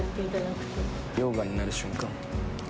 溶岩になる瞬間。